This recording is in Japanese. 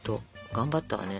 頑張ったわね。